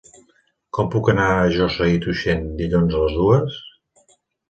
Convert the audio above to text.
Com puc anar a Josa i Tuixén dilluns a les dues?